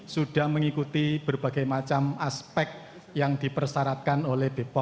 sudah mengikuti berbagai macam aspek yang dipersyaratkan oleh bepom